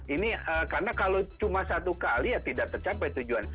ini karena kalau cuma satu kali ya tidak tercapai tujuan